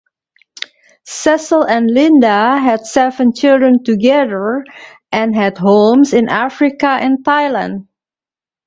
Cecil and Linda had seven children together, and had homes in Africa and Thailand.